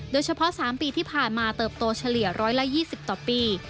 โดยเฉพาะ๓ปีที่ผ่านมาเติบโตเฉลี่ย๑๒๐ต่อปี